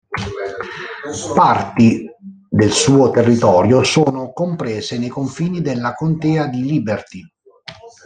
Parti del suo territorio sono comprese nei confini della contea di Liberty.